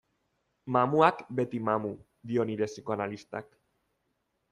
Mamuak beti mamu, dio nire psikoanalistak.